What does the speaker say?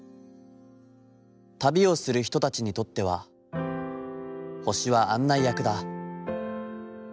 旅をする人たちにとっては、星は案内役だ。